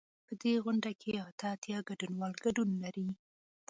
په دې غونډه کې اته اتیا ګډونوال ګډون لري.